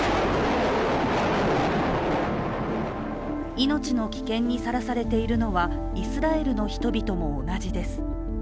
命の危険にさらされているのはイスラエルの人々も同じです。